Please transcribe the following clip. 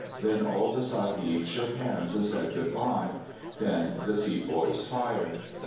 Then all the sahibs shook hands and bid good bye. Then the sepoys fired.